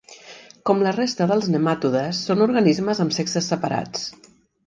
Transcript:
Com la resta dels nematodes són organismes amb sexes separats.